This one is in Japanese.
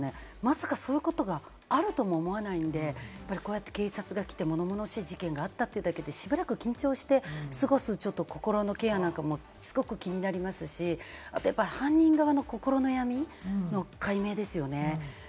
まさかそういうことがあるとも思わないので、こうやって警察が来てものものしい事件があったということだけで、しばらく緊張して過ごす心のケアなんかも、すごく気になりますし、犯人側の心の闇の解明ですよね。